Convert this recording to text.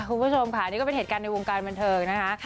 คุณผู้ชมค่ะนี่ก็เป็นเหตุการณ์ในวงการบันเทิงนะคะ